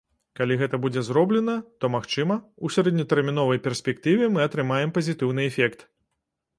Калі гэта будзе зроблена, то, магчыма, у сярэднетэрміновай перспектыве мы атрымаем пазітыўны эфект.